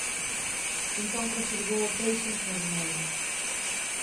Entón conservou o peixe en formol.